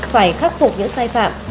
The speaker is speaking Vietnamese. phải khắc phục những sai phạm